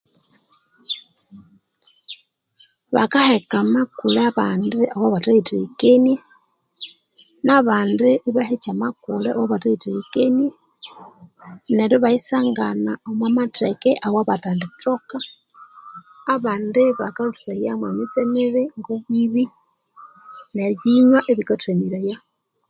Bakaheka amakule abandiaghobathayitheghekenie nabandi bakahekaya amakule aghobathayitheghekenie neryo ibayisangana omumatheke aghobathendithoka abandi bakalhusayamo emitse mibi obwibi nerinywa ebikathamiraya